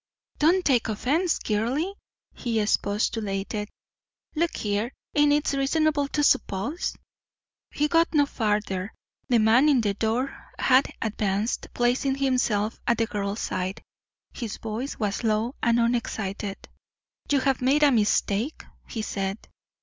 "Don't take offence, girly," he expostulated. "Look here ain't it reasonable to s'pose " He got no farther. The man in the door had advanced, placing himself at the girl's side. His voice was low and unexcited. "You have made a mistake?" he said.